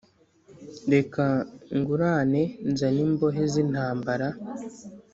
reka ngurane nzane imbohe zintambara